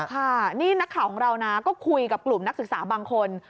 ค่ะนี่นักข่าวของเรานะก็คุยกับกลุ่มนักศึกษาบางคน